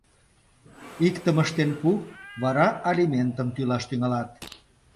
Иктым ыштен пу: вара алиментым тӱлаш тӱҥалат.